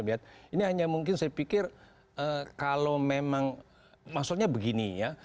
ini hanya mungkin saya pikir kalau memang maksudnya begini ya